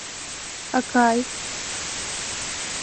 Акай...